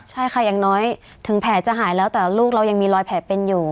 ใช่ค่ะอย่างน้อยถึงแผลจะหายแล้วแต่ลูกเรายังมีรอยแผลเป็นอยู่